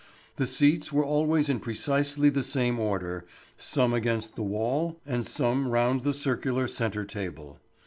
The seats were always in precisely the same order, some against the wall and some round the circular centre table.